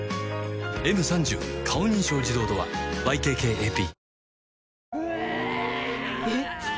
「Ｍ３０ 顔認証自動ドア」ＹＫＫＡＰ